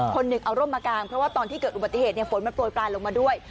คนหนึ่งเอาร่มมากางเพราะว่าตอนที่เกิดอุบัติเหตุฝนมันโปรยปลายลงมาด้วย